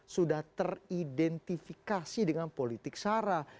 sudah teridentifikasi dengan politik sara